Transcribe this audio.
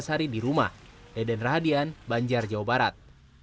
empat belas hari di rumah deden rahadian banjar jawa barat